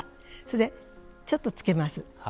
それでちょっとつけます。